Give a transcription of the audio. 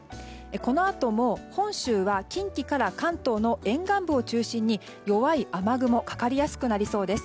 このあとも本州は近畿から関東の沿岸部を中心に弱い雨雲がかかりやすくなりそうです。